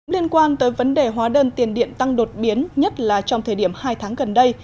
liên quan tới vấn đề hóa đơn tiền điện tăng đột biến nhất là trong thời điểm hai tháng gần đây